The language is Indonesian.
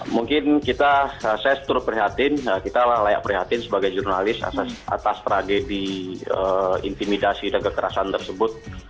mungkin kita saya turut prihatin kita layak prihatin sebagai jurnalis atas tragedi intimidasi dan kekerasan tersebut